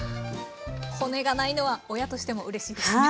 骨がないのは親としてもうれしいですね。